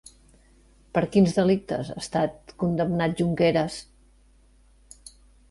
Per quins delictes ha estat condemnat Junqueras?